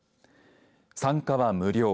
参加は無料。